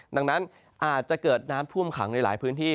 ดังนั้นอาจจะเกิดน้ำท่วมขังในหลายพื้นที่